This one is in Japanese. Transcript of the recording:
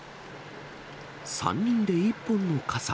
３人で１本の傘。